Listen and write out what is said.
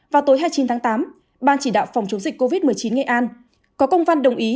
vào tối hai mươi chín tháng tám ban chỉ đạo phòng chống dịch covid một mươi chín nghệ an có công văn đồng ý